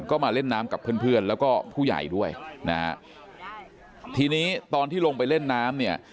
ก็มาเล่นน้ำกับเพื่อนเพื่อนแล้วก็ผู้ใหญ่ด้วยนะฮะทีนี้ตอนที่ลงไปเล่นน้ำเนี่ย